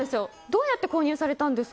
どうやって？